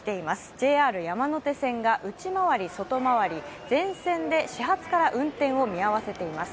ＪＲ山手線が内回り、外回り全線で始発から運転を見合わせています。